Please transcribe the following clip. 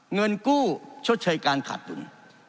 เงินกู้ชดโชภาการขาดสน